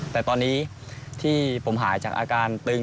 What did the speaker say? แต่ตอนนี้ที่ผมหายจากอาการตึง